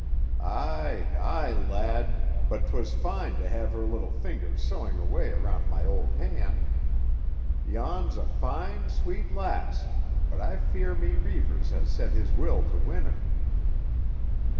Aye, aye, lad; but 'twas fine to have her little fingers sewing away around my old hand. Yon's a fine, sweet lass; but I fear me Reivers has set his will to win her."